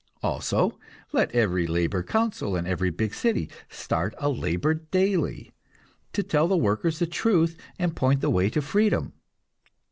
Also, let every labor council in every big city start a labor daily, to tell the workers the truth and point the way to freedom.